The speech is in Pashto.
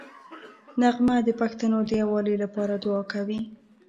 نغمه د پښتنو د یووالي لپاره دوعا کوي